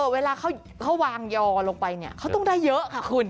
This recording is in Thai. เวลาเขาวางยอลงไปเนี่ยเขาต้องได้เยอะค่ะคุณ